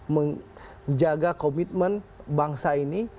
menjaga komitmen bangsa ini